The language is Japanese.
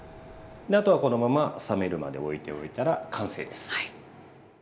あとはこのまま冷めるまで置いておいたら完成です。